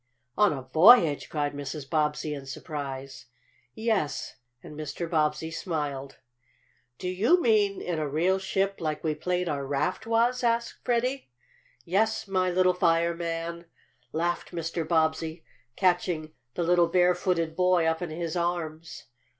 "On a voyage?" cried Mrs. Bobbsey in surprise. "Yes," and Mr. Bobbsey smiled. "Do you mean in a real ship, like we played our raft was?" asked Freddie. "Yes, my little fireman!" laughed Mr. Bobbsey, catching the little bare footed boy up in his arms.